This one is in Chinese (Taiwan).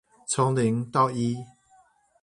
從零到一